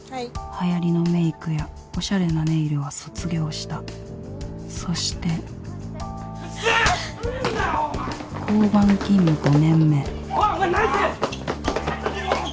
流行りのメイクやおしゃれなネイルは卒業したそして交番勤務５年目おいお前何してる！